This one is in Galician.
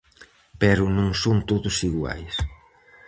Pero non son todos iguais.